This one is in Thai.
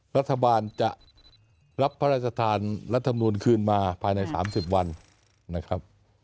รัฐบาลจะรับพระราชทานรัฐมนูลคืนมาภายใน๓๐วันนะครับ